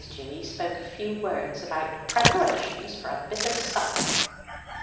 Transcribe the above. Dewy spoke a few words about preparations for a bit of supper.